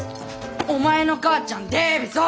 お前の母ちゃんでべそ！